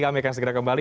kami akan segera kembali